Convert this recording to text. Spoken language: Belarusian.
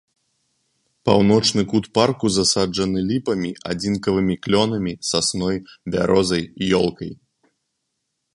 Паўночны кут парку засаджаны ліпамі, адзінкавымі клёнамі, сасной, бярозай, ёлкай.